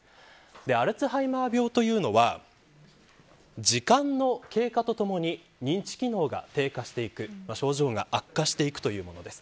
アルツハイマー病というのは時間の経過とともに認知機能が低下していく、症状が悪化していくというものです。